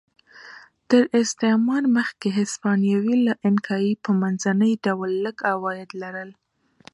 تر استعمار مخکې هسپانوي له اینکایي په منځني ډول لږ عواید لرل.